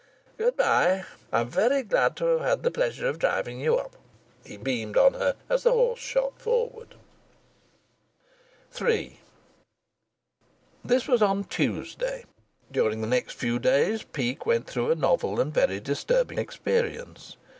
Good bye! I'm very glad to have had the pleasure of driving you up." He beamed on her as the horse shot forward. III This was on Tuesday. During the next few days Peake went through a novel and very disturbing experience.